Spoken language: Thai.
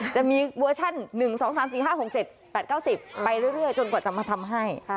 จะมีเวอร์ชั่น๑๒๓๔๕๖๗๘๙๐ไปเรื่อยจนกว่าจะมาทำให้